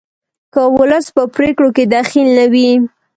که ولس په پریکړو کې دخیل نه وي